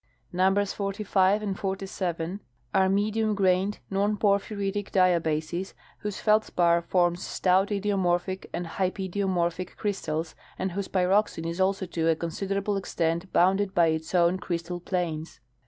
Numbers 45 and 47 are medium grained non porphja itic dia bases whose feldspar forms stout idiomorphic or hypidiomorphic crystals, and whose pyroxene is also to a considerable extent bounded by its own crystal planes..